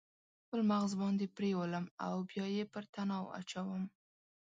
خپل مغز باندې پریولم او بیا یې پر تناو اچوم